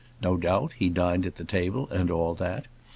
No doubt he dined at the table, and all that.